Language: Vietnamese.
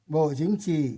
bộ chính trị